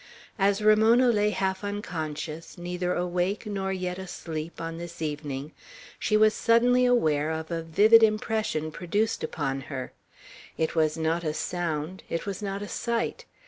As Ramona lay half unconscious, neither awake nor yet asleep, on this evening, she was suddenly aware of a vivid impression produced upon her; it was not sound, it was not sight.